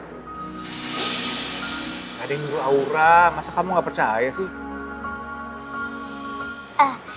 ada nyuruh aura masa kamu gak percaya sih